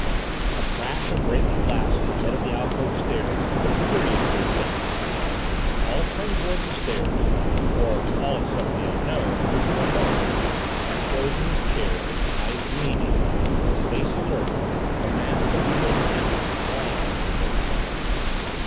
A crash of breaking glass from the head of the alcove stairs put a period to his sentence. All turned toward the stairs or all except the Unknown, who, for a moment, half rose in his chair, his eyes gleaming, his face alert, the mask of bewildered apathy gone from his face.